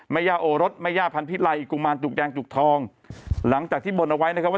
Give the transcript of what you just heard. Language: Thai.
ย่าโอรสแม่ย่าพันธิไลกุมารจุกแดงจุกทองหลังจากที่บนเอาไว้นะครับว่า